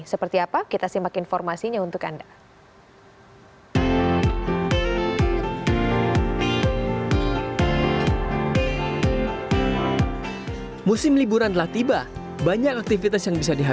seperti apa kita simak informasinya untuk anda